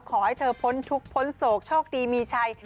ขอให้เธอพ้นทุกข์พ้นโศกโชคดีมีชัย